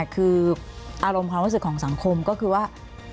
คืออารมณ์ความรู้สึกของสังคมก็คือว่า